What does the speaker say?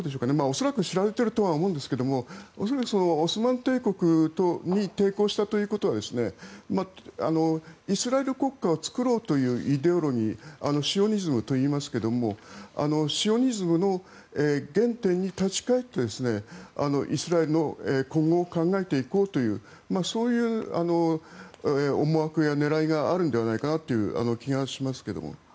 恐らく知られてるとは思うんですけどもオスマン帝国に抵抗したということはイスラエル国家を作ろうというイデオロギーシオニズムといいますけどもシオニズム原点に立ち返って、イスラエルの今後を考えていこうというそういう思惑や狙いがあるのではないかという気がしますけれども。